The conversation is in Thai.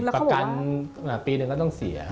ประกันปีหนึ่งก็ต้องเสีย